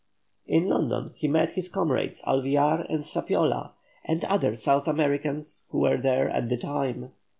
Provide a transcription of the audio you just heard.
In London he met his comrades Alvear and Zapiola, and other South Americans who were there at the time.